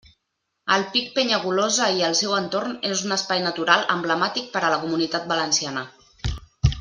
El pic Penyagolosa i el seu entorn és un espai natural emblemàtic per a la Comunitat Valenciana.